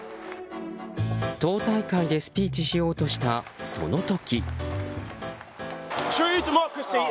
党大会でスピーチしようとしたその時。